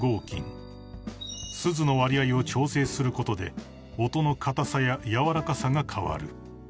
［スズの割合を調整することで音の硬さや柔らかさが変わる］